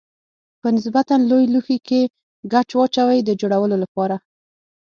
په نسبتا لوی لوښي کې ګچ واچوئ د جوړولو لپاره.